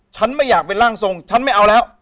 ฉันไม่อยากเป็นร่างทรงฉันไม่เอาแล้ว